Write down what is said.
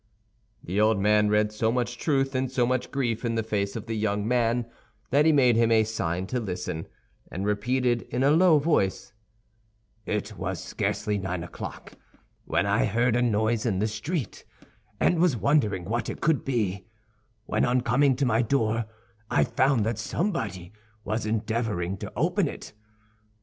The old man read so much truth and so much grief in the face of the young man that he made him a sign to listen, and repeated in a low voice: "It was scarcely nine o'clock when I heard a noise in the street, and was wondering what it could be, when on coming to my door, I found that somebody was endeavoring to open it.